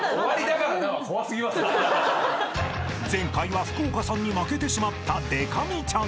［前回は福岡さんに負けてしまったでか美ちゃんさん］